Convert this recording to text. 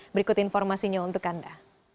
berikut informasinya untuk anda